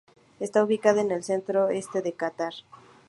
Esta ubicada en el centro este de Catar.